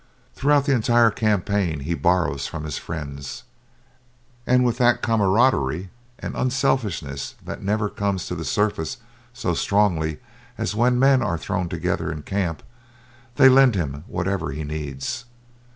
Throughout the entire campaign he borrows from his friends, and with that camaraderie and unselfishness that never comes to the surface so strongly as when men are thrown together in camp, they lend him whatever he needs.